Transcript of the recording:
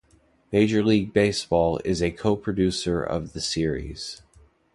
Major League Baseball is a co-producer of the series.